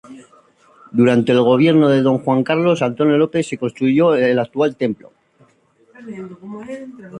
Durante el gobierno de Don Carlos Antonio López se construyó el actual templo.